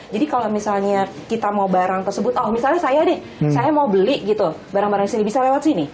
jadi kalau misalnya kita mau barang tersebut oh misalnya saya nih saya mau beli gitu barang barang disini bisa lewat sini